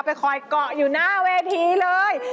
คอยเกาะอยู่หน้าเวทีเลย